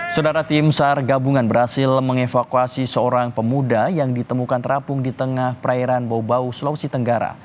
saudara tim sar gabungan berhasil mengevakuasi seorang pemuda yang ditemukan terapung di tengah perairan bau bau sulawesi tenggara